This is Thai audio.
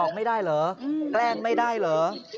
แกล้งไม่ได้เหรอ